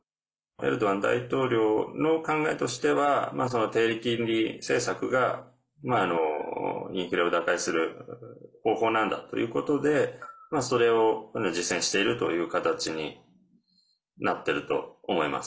エルドアン大統領の考えとしては低金利政策が、インフレを打開する方法なんだということでそれを実践しているという形になっていると思います。